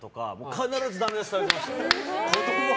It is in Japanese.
必ずダメ出しされますね。